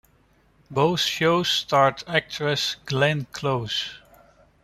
Both shows starred actress Glenn Close.